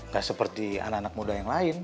gak seperti anak anak muda yang lain